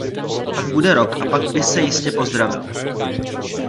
Pak bude rok a pak by se jistě pozdravil!